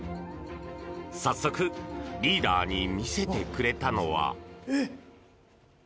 早速、リーダーに見せてくれたのは。